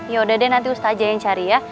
yaudah deh nanti ustaja yang cari ya